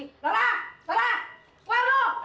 laura laura keluar lo